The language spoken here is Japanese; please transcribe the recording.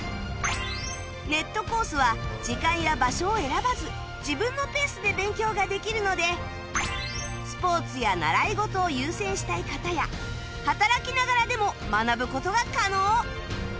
ネットコースは時間や場所を選ばず自分のペースで勉強ができるのでスポーツや習い事を優先したい方や働きながらでも学ぶ事が可能